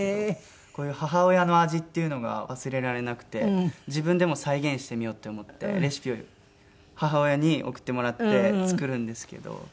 こういう母親の味っていうのが忘れられなくて自分でも再現してみようって思ってレシピを母親に送ってもらって作るんですけど。